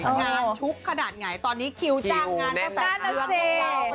งานทุกข์ขนาดไหนตอนนี้คิวจ้างงานตั้งแต่เรือง